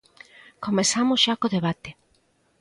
Comezamos xa co debate.